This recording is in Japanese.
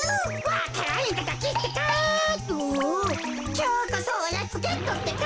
きょうこそおやつゲットってか。